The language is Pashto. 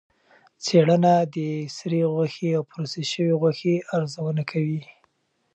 څېړنه د سرې غوښې او پروسس شوې غوښې ارزونه کوي.